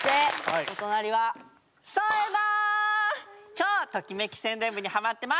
超ときめき宣伝部にハマってます。